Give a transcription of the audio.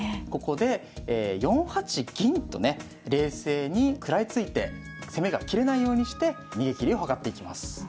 ここで４八銀とね冷静に食らいついて攻めが切れないようにして逃げきりを図っていきます。